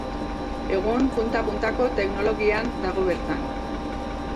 Egun, punta-puntako teknologian dago bertan.